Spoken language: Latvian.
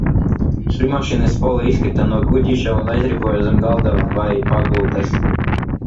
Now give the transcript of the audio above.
Šujmašīnas spole izkrita no kuģīša un aizripoja zem galda vai pagultes.